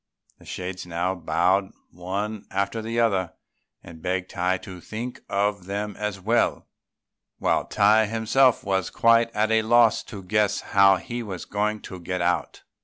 The shades now bowed one after the other, and begged Tai to think of them as well, while Tai himself was quite at a loss to guess how he was going to get out.